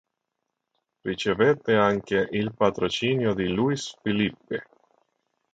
Ricevette anche il patrocinio di Louis Philippe.